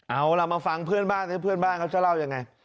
เอาล่ะมาฟังเพื่อนบ้านเพื่อนบ้านเขาจะเล่ายังไง